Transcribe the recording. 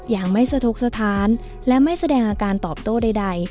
อย่างไม่สะทกสถานและไม่แสดงอาการตอบโต้ใด